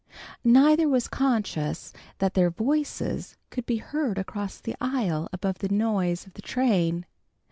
Neither was conscious that their voices could be heard across the aisle above the noise of the train.